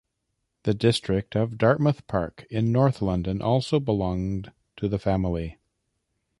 The district of Dartmouth Park in north London also belonged to the family.